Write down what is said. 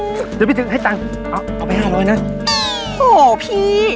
เดี๋ยวพี่ถึงให้ตังค์เอาเอาไปห้าร้อยนะโอ้โหพี่